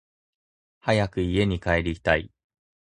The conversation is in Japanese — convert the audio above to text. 早く家にかえりたい